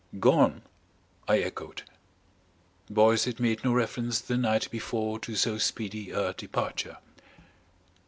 "Gone?" I echoed. Boyce had made no reference the night before to so speedy a departure.